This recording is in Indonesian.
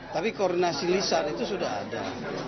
tapi koordinasi lisan itu sudah ada